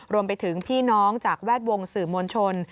รวมไปถึงพี่น้องจากแวดวงสื่อมวลชน